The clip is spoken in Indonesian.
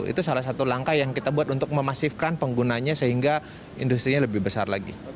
itu salah satu langkah yang kita buat untuk memasifkan penggunanya sehingga industrinya lebih besar lagi